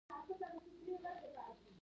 لرغوني افغانان په ستورپوهنه پوهیدل